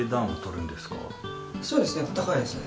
そうですね。